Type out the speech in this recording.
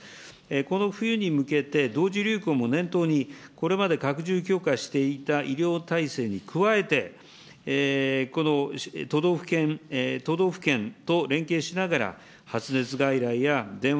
この冬に向けて、同時流行も念頭に、これまで拡充、強化していた医療体制に加えて、この都道府県と連携しながら、発熱外来や電話